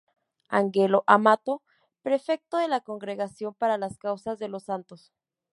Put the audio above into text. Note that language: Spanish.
Angelo Amato, prefecto de la Congregación para las Causas de los Santos.